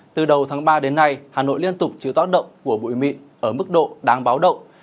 từ đầu tháng ba đến nay hà nội liên tục chịu tác động của bụi mịn ở mức độ đáng báo động